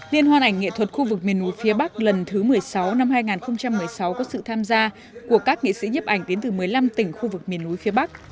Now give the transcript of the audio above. liên hoan ảnh nghệ thuật khu vực miền núi phía bắc lần thứ một mươi sáu năm hai nghìn một mươi sáu có sự tham gia của các nghệ sĩ nhấp ảnh đến từ một mươi năm tỉnh khu vực miền núi phía bắc